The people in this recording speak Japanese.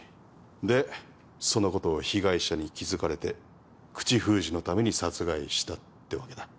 でそのことを被害者に気付かれて口封じのために殺害したってわけだ。